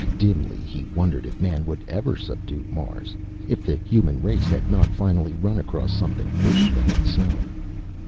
Dimly, he wondered if man would ever subdue Mars, if the human race had not finally run across something bigger than itself.